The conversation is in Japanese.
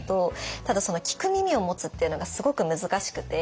ただその「聞く耳を持つ」っていうのがすごく難しくて。